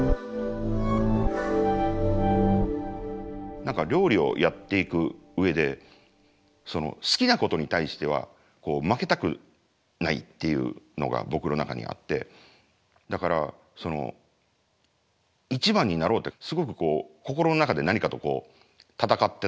何か料理をやっていく上で好きなことに対しては負けたくないっていうのが僕の中にあってだから一番になろうってすごくこう心の中で何かと闘ってたのが僕の２０代というか。